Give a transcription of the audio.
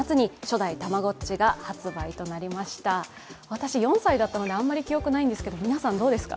私、４歳だったので、あまり記憶にないんですが皆さん、どうですか？